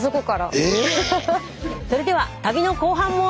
それでは旅の後半も。